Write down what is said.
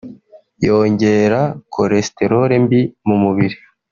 yongera cholesterole mbi mu mubiri